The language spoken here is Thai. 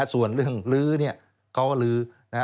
ส่วนเรื่องลื้อเนี่ยเขาก็ลื้อนะ